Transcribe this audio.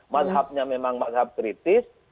madhabnya memang madhab kritis